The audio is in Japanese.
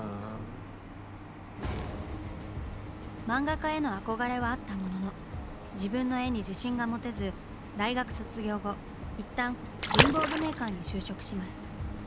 漫画家への憧れはあったものの自分の絵に自信が持てず大学卒業後一旦文房具メーカーに就職します。